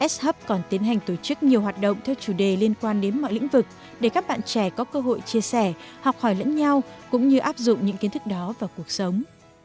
shup còn tiến hành tổ chức nhiều hoạt động theo chủ đề liên quan đến mọi lĩnh vực để các bạn trẻ có cơ hội chia sẻ học hỏi lẫn nhau cũng như áp dụng những kiến thức đó vào cuộc sống